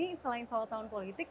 ini selain soal tahun politik